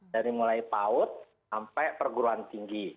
dari mulai paut sampai perguruan tinggi